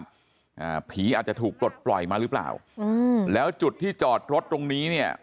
อ่าผีอาจจะถูกปลดปล่อยมาหรือเปล่าอืมแล้วจุดที่จอดรถตรงนี้เนี่ย